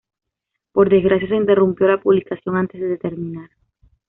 Por desgracia, se interrumpió la publicación antes de terminar.